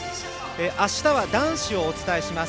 あしたは男子をお伝えします。